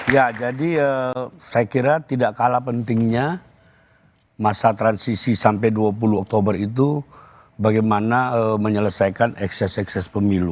ya jadi saya kira tidak kalah pentingnya masa transisi sampai dua puluh oktober itu bagaimana menyelesaikan ekses ekses pemilu